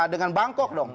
dengan bangkok dong